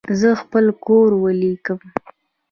زه خپل کور ولیکم.